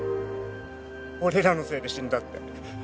俺らのせいで死んだって。